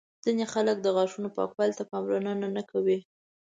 ځینې خلک د غاښونو پاکولو ته پاملرنه نه کوي.